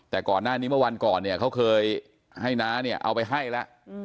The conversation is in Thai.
แต่ก่อนหน้านี้เมื่อวันก่อนเนี่ยเขาเคยให้น้าเนี่ยเอาไปให้แล้ว